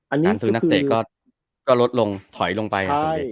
การซื้อนักเตะก็ลดลงถอยลงไป